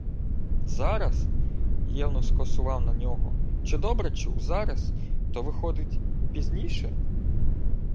«Зараз»? Євнух скосував на нього. Чи добре чув? Зараз? То виходить, пізніше?